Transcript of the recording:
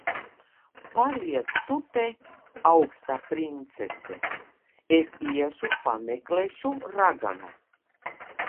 Paliec tu te, augstā princese. Es iešu pameklēšu raganu.